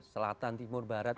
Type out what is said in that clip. selatan timur barat